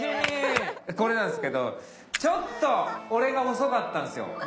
これなんですけどちょっと俺が遅かったんですよ。